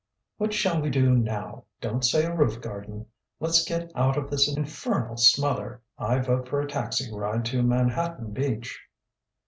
"What shall we do now? Don't say a roof garden. Let's get out of this infernal smother. I vote for a taxi ride to Manhattan Beach."